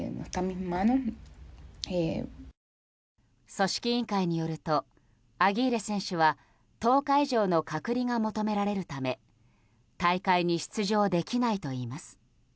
組織委員会によるとアギーレ選手は１０日以上の隔離が求められるため大会に出場できないといいます。